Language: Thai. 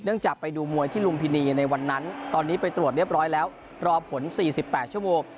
จากไปดูมวยที่ลุมพินีในวันนั้นตอนนี้ไปตรวจเรียบร้อยแล้วรอผล๔๘ชั่วโมง